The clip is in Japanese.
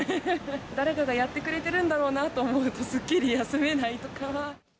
誰かがやってくれてるんだろうなと思うと、すっきり休めないとか。